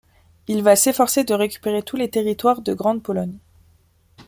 Il va s’efforcer de récupérer tous les territoires de Grande-Pologne.